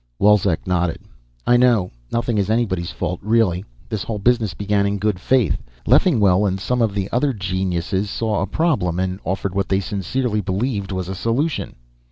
Wolzek nodded. "I know. Nothing is anybody's fault, really. This whole business began in good faith. Leffingwell and some of the other geniuses saw a problem and offered what they sincerely believed was a solution."